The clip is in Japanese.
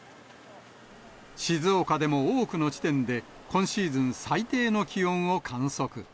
静岡でも多くの地点で、今シーズン最低の気温を観測。